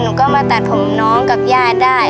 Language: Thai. หนูก็มาตัดผมน้องกับญาติได้